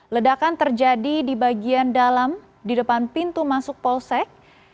ledakan terjadi di bagian dalam di depan pintu masuk polsek